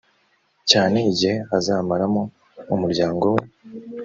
cyane igihe azamaramo umuryango we